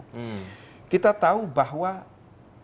kita tahu bahwa korupsi di indonesia itu tidak hanya untuk pemerintah